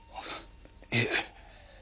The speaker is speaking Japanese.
いえ。